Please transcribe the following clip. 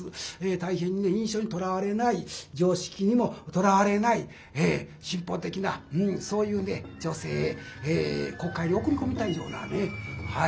大変にね印象にとらわれない常識にもとらわれない進歩的なそういう女性国会に送り込みたいようなねはい。